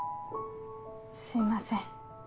すいません。